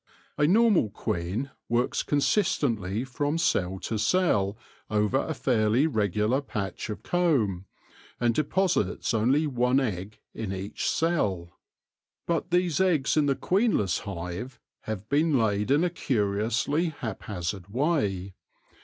A normal queen works consistently from cell to cell, over a fairly regular patch of comb, and deposits only one egg in each cell ; but these eggs in the queenless hive have been laid in a curiously haphazard way.